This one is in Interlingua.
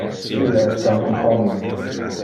Ille es jam un homine.